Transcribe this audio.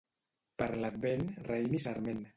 Per l'Advent, raïm i sarment.